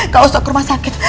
gak usah ke rumah sakit